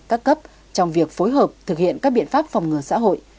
các cấp trong việc phối hợp thực hiện các biện pháp phòng ngừa xã hội